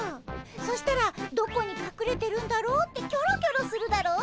そしたらどこにかくれてるんだろうってキョロキョロするだろ？